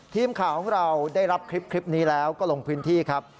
ทีมข่าวของเราได้รับคลิปนี้แล้วก็ลงพื้นที่ครับ